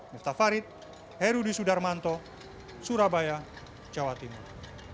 miftah farid herudi sudarmanto surabaya jawa timur